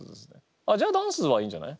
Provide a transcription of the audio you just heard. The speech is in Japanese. あっじゃあダンスはいいんじゃない？